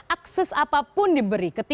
akses apapun diberi